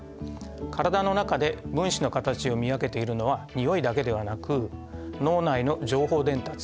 からだの中で分子の形を見分けているのはにおいだけではなく脳内の情報伝達